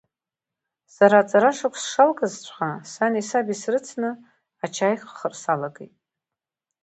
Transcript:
Сара аҵарашықәс сшалгазҵәҟьа, сани саби срыцны, ачаи хыхра салагеит.